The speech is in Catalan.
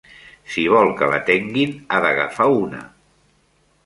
Si vol que l'atenguin, ha d'agafar una.